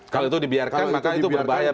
kalau itu dibiarkan maka itu berbahaya